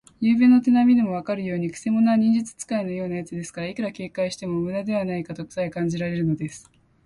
ゆうべの手なみでもわかるように、くせ者は忍術使いのようなやつですから、いくら警戒してもむだではないかとさえ感じられるのです。